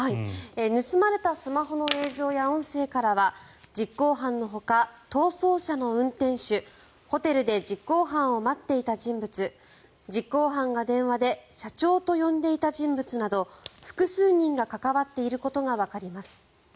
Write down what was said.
盗まれたスマホの映像や音声からは実行犯のほか逃走車の運転手ホテルで実行犯を待っていた人物実行犯が電話で社長と呼んでいた人物など複数人が関わっていることがわかります。